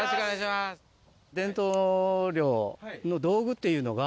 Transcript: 伝統漁の道具というのが。